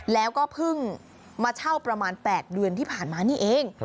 แล้วก็เพิ่งมาเช่าประมาณ๘เดือนที่ผ่านมานี่เอง